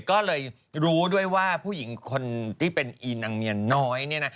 ก็เลยรู้ด้วยว่าผู้หญิงคนที่เป็นอีนางเมียน้อย